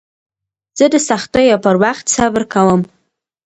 زه د سختیو پر وخت صبر کوم.